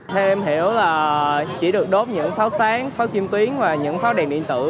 theo em hiểu là chỉ được đốt những pháo sáng pháo chiêm tuyến và những pháo đèn điện tử